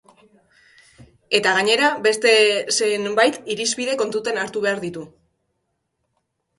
Eta gainera, beste zenbait irizpide kontutan hartu behar ditu.